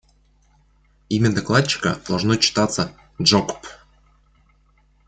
Имя докладчика должно читаться «Джокп».